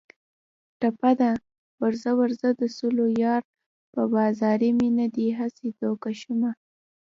ټپه ده: ورځه ورځه د سلو یاره په بازاري مینه دې هسې دوکه شومه